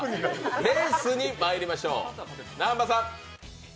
レースにまいまりしょう。